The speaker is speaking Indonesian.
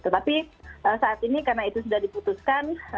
tetapi saat ini karena itu sudah diputuskan